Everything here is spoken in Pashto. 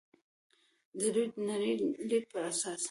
د دوی د نړۍ لید پر اساس.